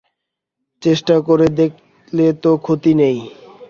চেষ্টা করে দেখলে তো ক্ষতি নেই?